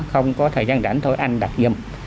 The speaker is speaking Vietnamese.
không có thời gian rảnh thôi anh đặt giùm